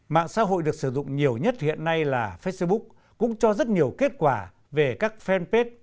mạng xã hội được sử dụng nhiều nhất hiện nay là facebook cũng cho rất nhiều kết quả về các fanpage